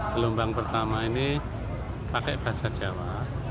gelombang pertama ini pakai bahasa jawa